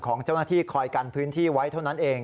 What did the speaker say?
ของเจ้าหน้าที่คอยกันพื้นที่ไว้เท่านั้นเอง